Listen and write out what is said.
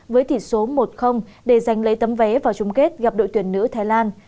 với tỷ số một để giành lấy tấm vé vào chung kết gặp đội tuyển nữ thái lan